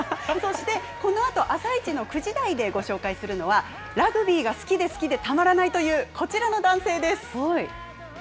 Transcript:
そしてこのあと、あさイチの９時台でご紹介するのは、ラグビーが好きで好きでたまらないというこちらの男性です。